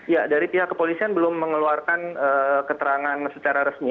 ya dari pihak kepolisian belum mengeluarkan keterangan secara resmi